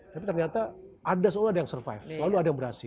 tapi ternyata ada yang survive selalu ada yang berhasil